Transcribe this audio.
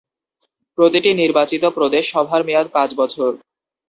প্রতিটি নির্বাচিত প্রদেশ সভার মেয়াদ পাঁচ বছর।